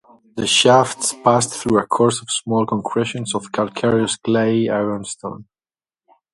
The shafts passed through a course of small concretions of calcareous clay iron stone.